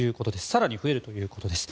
更に増えるということです。